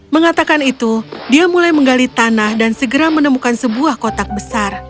mengatakan itu dia mulai menggali tanah dan segera menemukan sebuah kotak besar